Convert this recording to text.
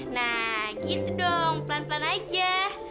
nah gitu dong pelan pelan aja